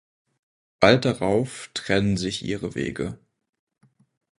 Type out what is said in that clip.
Bald darauf trennen sich ihre Wege.